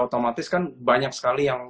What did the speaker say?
otomatis kan banyak sekali yang